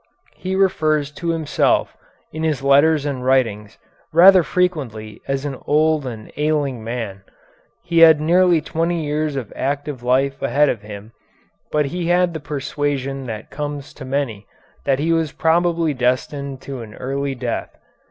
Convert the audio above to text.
He refers to himself in his letters and writings rather frequently as an old and ailing man. He had nearly twenty years of active life ahead of him, but he had the persuasion that comes to many that he was probably destined to an early death.